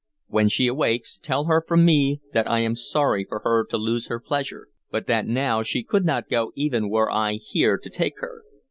When she awakes, tell her from me that I am sorry for her to lose her pleasure, but that now she could not go even were I here to take her."